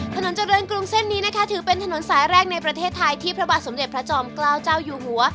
ถนนเจริญกรุงเส้นนี้นะคะถือเป็นถนนสายแรกในประเทศไทยที่พระบาทสมเด็จพระจอมเกล้าเจ้าอยู่หัว